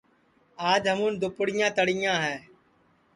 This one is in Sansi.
آج ہمُون دُپڑیاں تݪیاں ہے